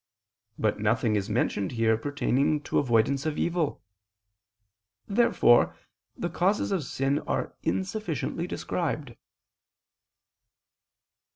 But nothing is mentioned here pertaining to avoidance of evil. Therefore the causes of sin are insufficiently described.